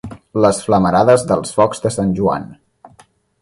Les flamarades dels focs de Sant Joan.